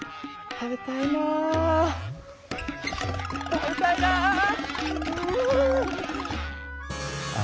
食べたいなあ。